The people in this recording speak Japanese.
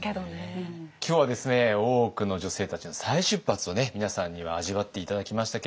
今日はですね大奥の女性たちの再出発を皆さんには味わって頂きましたけれども。